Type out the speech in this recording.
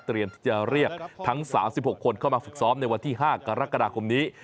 ที่จะเรียกทั้ง๓๖คนเข้ามาฝึกซ้อมในวันที่๕กรกฎาคมนี้